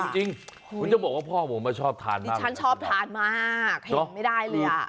จริงคุณจะบอกว่าพ่อผมชอบทานดิฉันชอบทานมากเห็นไม่ได้เลยอ่ะ